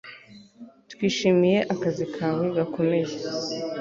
twishimiye akazi kawe gakomeye